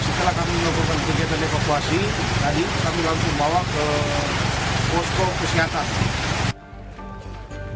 setelah kami melakukan kegiatan evakuasi tadi kami langsung bawa ke posko kesehatan